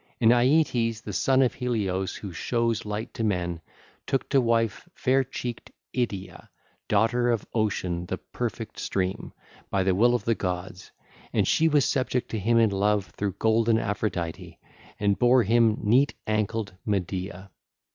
And Aeetes, the son of Helios who shows light to men, took to wife fair cheeked Idyia, daughter of Ocean the perfect stream, by the will of the gods: and she was subject to him in love through golden Aphrodite and bare him neat ankled Medea.